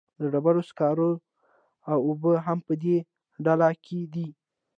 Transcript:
د ډبرو سکاره او اوبه هم په دې ډله کې دي.